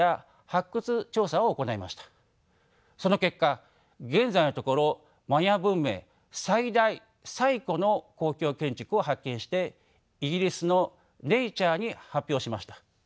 その結果現在のところマヤ文明最大最古の公共建築を発見してイギリスの「ネイチャー」に発表しました。